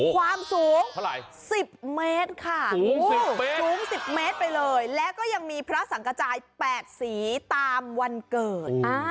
ความสูง๑๐เมตรค่ะสูง๑๐เมตรไปเลยแล้วก็ยังมีพระสังกระจาย๘สีตามวันเกิด